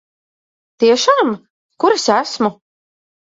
Tiešām? Kur es esmu?